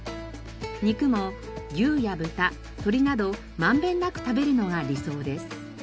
肉も牛や豚鶏などまんべんなく食べるのが理想です。